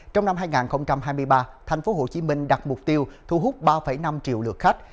trong năm hai nghìn hai mươi ba thành phố hồ chí minh đặt mục tiêu thu hút ba năm triệu lượt khách